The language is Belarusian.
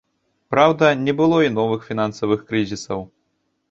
Праўда, не было і новых фінансавых крызісаў.